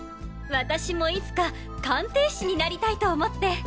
私もいつか鑑定士になりたいと思って。